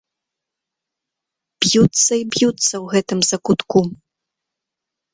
Б'юцца і б'юцца ў гэтым закутку.